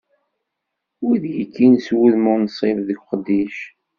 Wid yekkin s wudem unsib deg uqeddic.